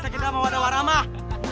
sekitar sama warah warah mah